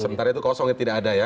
sementara itu kosongnya tidak ada ya